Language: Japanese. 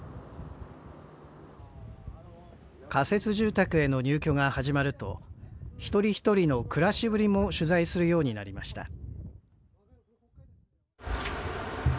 仮設住宅への入居が始まると一人一人の暮らしぶりも取材するようになりました